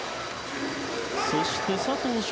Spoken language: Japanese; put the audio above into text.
そして、佐藤翔